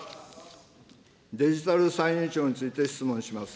デジタル歳入庁について質問します。